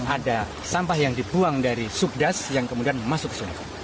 ada sampah yang dibuang dari subdas yang kemudian masuk ke sungai